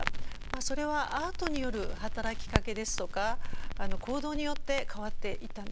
それはアートによる働きかけですとか行動によって変わっていったんですね。